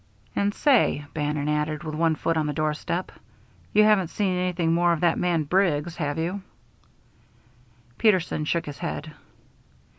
"And say," Bannon added, with one foot on the doorstep, "you haven't seen anything more of that man Briggs, have you?" Peterson shook his head.